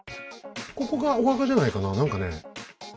ここがお墓じゃないかな何かね。